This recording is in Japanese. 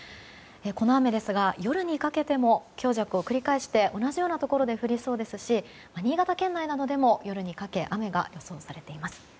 この雨ですが夜にかけても強弱を繰り返して同じようなところで降りそうですし新潟県内などでも夜にかけて雨が予想されています。